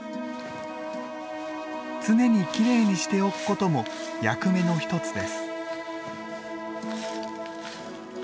常にきれいにしておくことも役目の一つです。